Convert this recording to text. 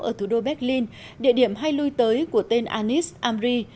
ở thủ đô berlin địa điểm hay lui tới của tên anis amri